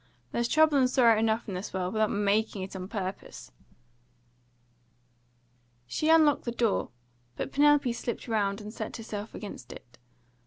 There's trouble and sorrow enough in the world, without MAKING it on purpose!" She unlocked the door, but Penelope slipped round and set herself against it.